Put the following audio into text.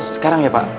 sekarang ya pak